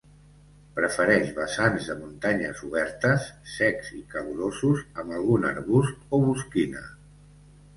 Prefereix vessants de muntanyes oberts, secs i calorosos, amb algun arbust o bosquina.